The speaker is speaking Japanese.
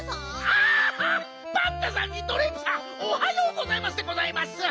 あっパンタさんにドレープさんおはようございますでございます！